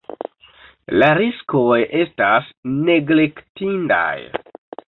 La riskoj estas neglektindaj.